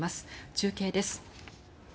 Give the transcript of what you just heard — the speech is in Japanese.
中継です。